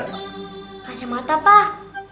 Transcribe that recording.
kasih mata pah